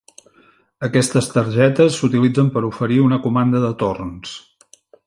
Aquestes targetes s'utilitzen per oferir una comanda de torns.